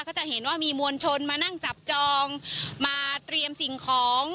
ก็จะเห็นว่ามีมวลชนมานั่งจับจองมาเตรียมสิ่งของ